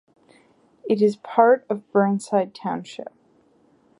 It is part of Burnside Township.